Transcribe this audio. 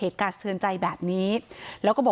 ท่านผู้ชมครับ